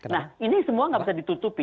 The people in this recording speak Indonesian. nah ini semua nggak bisa ditutupi